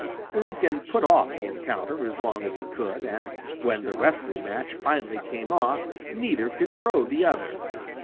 Lincoln put off the encounter as long as he could, and when the wrestling match finally came off neither could throw the other.